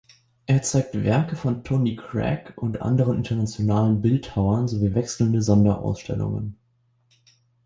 Er zeigt Werke von Tony Cragg und anderen internationalen Bildhauern sowie wechselnde Sonderausstellungen.